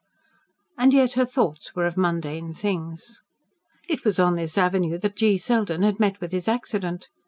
And yet her thoughts were of mundane things. It was on this avenue that G. Selden had met with his accident.